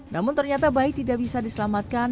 namun ternyata bayi tidak bisa diselamatkan